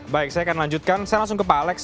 baik saya akan lanjutkan saya langsung ke pak alex